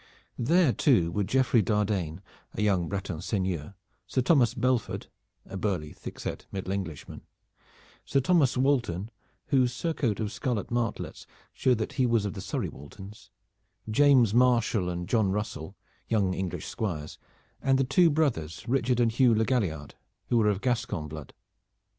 There too were Geoffrey D'Ardaine, a young Breton seigneur, Sir Thomas Belford, a burly thick set Midland Englishman, Sir Thomas Walton, whose surcoat of scarlet martlets showed that he was of the Surrey Waltons, James Marshall and John Russell, young English squires, and the two brothers, Richard and Hugh Le Galliard, who were of Gascon blood.